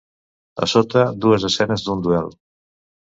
A sota, dues escenes d'un duel.